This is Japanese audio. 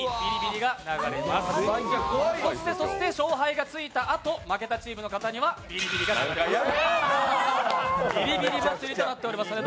そして勝敗がついたあと、負けたチームの方にはビリビリが流れます。